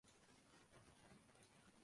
ふと、人の声が聞こえる。